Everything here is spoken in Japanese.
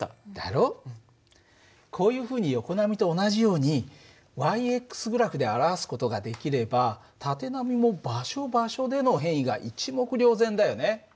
こういうふうに横波と同じように−グラフで表す事ができれば縦波も場所場所での変位が一目瞭然だよね。